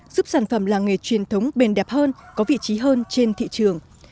giúp sản phẩm làng nghề truyền thống bền đẹp hơn có vị trí hơn trên thị trường